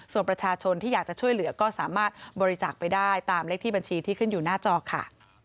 ส่วนประชาชนที่อยากจะช่วยเหลือก็สามารถบริจาคไปได้ตามเลขที่บัญชีที่ขึ้นอยู่หน้าจอค่ะ